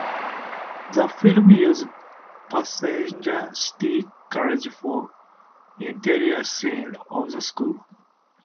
The film uses Pasadena City College for interior scenes of the school.